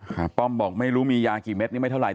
ป้อมบอกไม่รู้มียากี่เม็ดนี่ไม่เท่าไห